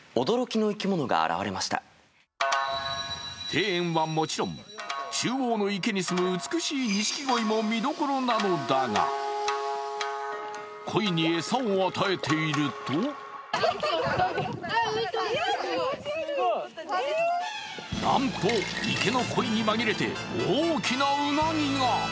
庭園はもちろん、中央の池にすむ美しいにしきごいも見どころなのだがこいに餌を与えているとなんと、池のこいに紛れて、大きなうなぎが。